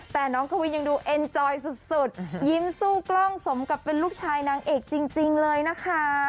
แต่น้องกวินยังดูเอ็นจอยสุดยิ้มสู้กล้องสมกับเป็นลูกชายนางเอกจริงเลยนะคะ